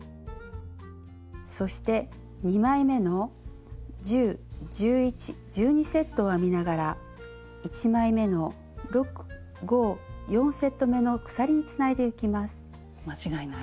そして２枚めの１０１１１２セットを編みながら１枚めの６５４セットめの鎖につないでいきます。